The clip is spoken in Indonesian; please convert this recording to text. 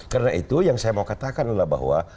karena itu yang saya mau katakan adalah bahwa